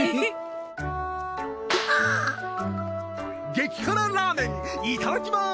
激辛ラーメンいただきます！